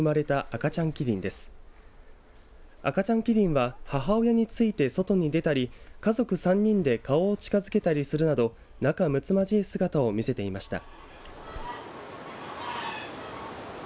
赤ちゃんキリンは母親について外に出たり家族３人で顔を近づけたりするなど仲むつまじい姿を見せていました。